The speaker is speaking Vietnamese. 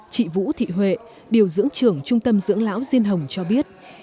chị vũ thị huệ điều dưỡng trưởng trung tâm dưỡng lão diên hồng cho biết